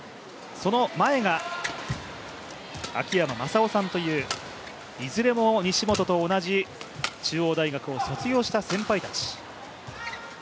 その前がアキヤマさんといういずれも西本と同じ中央大学を卒業した先輩たち。